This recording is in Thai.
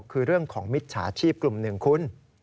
คือเรื่องของมิจฉาชีพกลุ่มหนึ่งคุณ